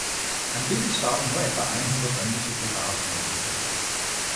Angeblich starben nur etwa einhundert englische Soldaten in dieser Schlacht.